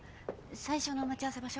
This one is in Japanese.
最初の待ち合わせ場所？